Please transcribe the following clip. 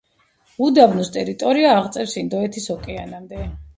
უდაბნოს ტერიტორია აღწევს ინდოეთის ოკეანემდე.